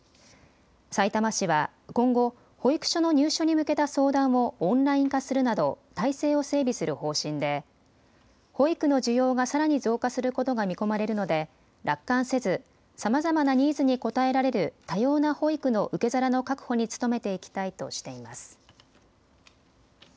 さいたま市は今後、保育所の入所に向けた相談をオンライン化するなど体制を整備する方針で保育の需要がさらに増加することが見込まれるので楽観せずさまざまなニーズに応えられる多様な保育の受け皿の確保に努めていきたいとしています。